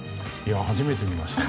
初めて見ました。